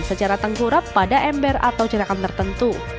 secara tengkurap pada ember atau cerakan tertentu